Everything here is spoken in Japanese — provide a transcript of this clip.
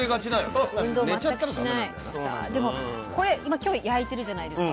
でもこれ今今日焼いてるじゃないですか。